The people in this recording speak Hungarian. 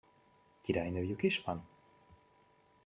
Királynőjük is van?